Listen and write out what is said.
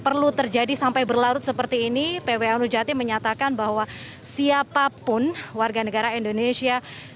setelah hal itu terjadi sampai berlarut seperti ini pwnu jawa timur menyatakan bahwa siapapun warga negara indonesia